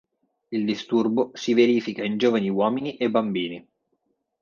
Il disturbo si verifica in giovani uomini e bambini.